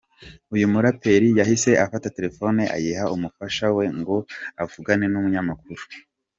Uyu muraperi yahise afata telefone ayiha umufasha we ngo avugane n’umunyamakuru.